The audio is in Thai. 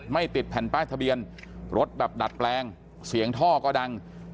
ไม่ติดแผ่นป้ายทะเบียนรถแบบดัดแปลงเสียงท่อก็ดัง